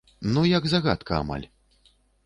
Ну як загадка, амаль.